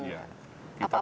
banyak sekali iya